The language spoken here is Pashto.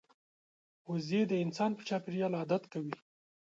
وزې د انسان په چاپېریال عادت کوي